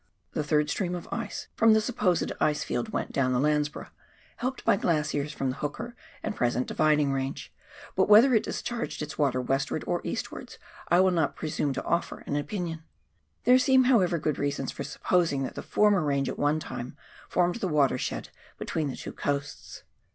The third stream of ice from the supposed ice field went down the Laudsborough, helped by glaciers from the Hooker and present Dividing Range, but whether it discharged its water westwards or eastwards I will not presume to offer an opinion. There seem, however, good reasons for supposing that the former range at one time formed the watershed between the two coasts.